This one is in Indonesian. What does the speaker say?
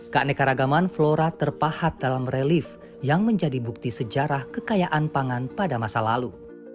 keanekaragaman flora terpahat dalam relief yang menjadi bukti sejarah kekayaan pangan pada masa lalu